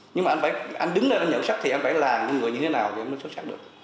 nhưng mà anh đứng lên anh nhận xuất thì anh phải làm người như thế nào thì anh mới xuất sắc được